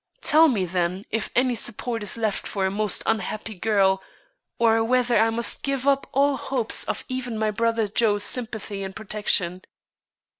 Tell me, then, if any support is left for a most unhappy girl, or whether I must give up all hopes of even my brother Joe's sympathy and protection."